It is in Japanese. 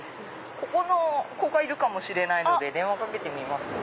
ここの子がいるかもしれないので電話かけてみますね。